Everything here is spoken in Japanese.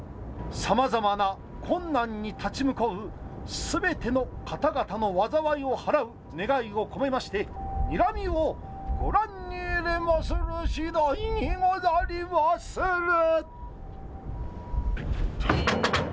さまざまな困難に立ち向かうすべての方々の災いをはらう願いを込めましてにらみをご覧に入れまするしだいにござりまする。